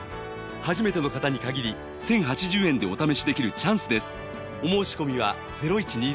初めての方に限り１０８０円でお試しできるチャンスです